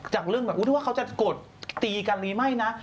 จากเรื่องแบบอุ๊ยเขาจะโกรธตีกันหรือไม่นะ